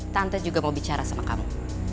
tante juga mau bicara sama kamu